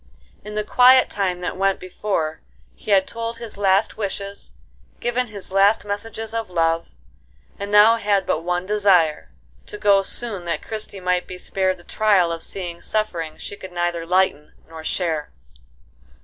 In the quiet time that went before, he had told his last wishes, given his last messages of love, and now had but one desire,—to go soon that Christie might be spared the trial of seeing suffering she could neither lighten nor share.